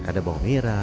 ada bawang merah